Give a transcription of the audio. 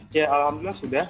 ya alhamdulillah sudah